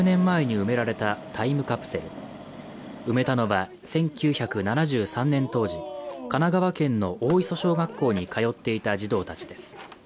埋めたのは１９７３年当時神奈川県の大磯小学校に通っていた児童たちです。